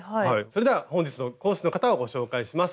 それでは本日の講師の方をご紹介します。